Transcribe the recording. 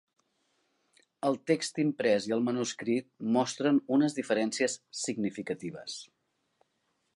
El text imprès i el manuscrit mostren unes diferències significatives.